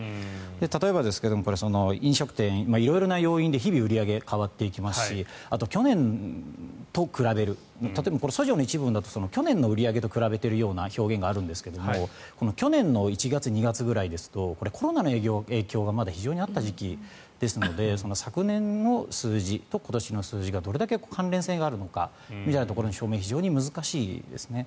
例えばですけれど飲食店色々な要因で日々、売り上げは変わっていきますし去年と比べる例えば、訴状の一文だと去年の売り上げと比べているような側面があるんですが去年の１月、２月ぐらいだとコロナの影響がまだ非常にあった時期ですので昨年の数字と今年の数字がどれだけ関連性があるみたいなところの証明が非常に難しいですね。